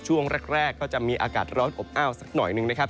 ช่วงแรกก็จะมีอากาศร้อนอบอ้าวสักหน่อยหนึ่งนะครับ